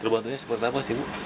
perbantunya seperti apa sih bu